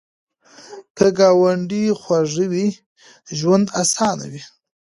که ګاونډي خوږ وي، ژوند اسان وي